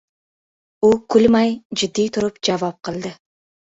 U kulmay, jiddiy turib javob qildi: